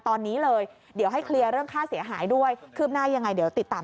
ตอนนี้เลยเดี๋ยวให้เคลียร์เรื่องค่าเสียหายด้วยคืบหน้ายังไงเดี๋ยวติดตาม